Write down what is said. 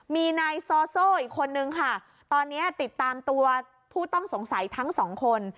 มีนายซอโซ่อีกคนนึงค่ะตอนนี้ติดตามตัวผู้ต้องสงสัยทั้งสองคน